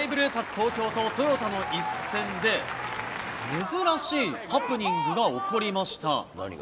東京とトヨタの一戦で、珍しいハプニングが起こりました。